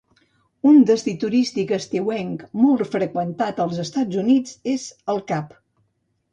Un destí turístic estiuenc molt freqüentat als estats Units és el Cap.